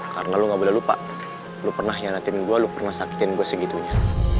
karena lo gak boleh lupa lo pernah hianatin gue lo pernah sakitin gue segitunya